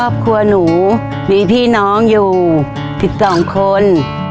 ครอบครัวหนูมีพี่น้องอยู่๑๒คน